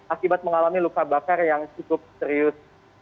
akibat mengalami luka bakar yang cukup serius